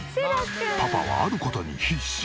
パパはある事に必死！